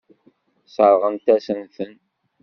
Sseṛɣent-asen-ten.